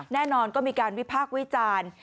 แน่นอนก็มีการวิพากษ์วิจารณ์